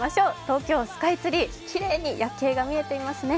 東京スカイツリー、きれいに夜景が見えていますね。